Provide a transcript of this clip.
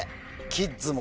キッズも。